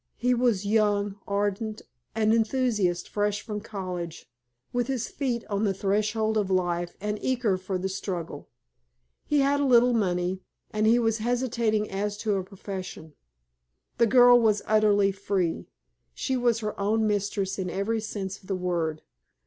He was young, ardent, an enthusiast, fresh from college, with his feet on the threshold of life and eager for the struggle. He had a little money, and he was hesitating as to a profession. The girl was utterly free she was her own mistress in every sense of the word.